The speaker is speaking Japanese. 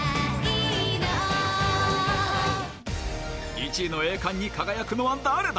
１位の栄冠に輝くのは誰だ。